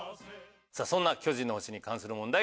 そんな『巨人の星』に関する問題